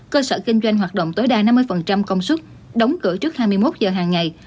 cơ sở kinh doanh hoạt động tối đa năm mươi công suất đóng cửa trước hai mươi một giờ hàng ngày